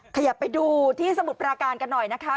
ขยับไปดูที่สมุทรปราการกันหน่อยนะคะ